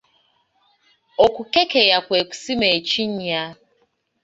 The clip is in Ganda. Okukekeya kwe kusima ekinnya.